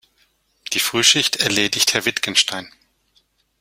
Die Frühschicht erledigt Herr Wittgenstein.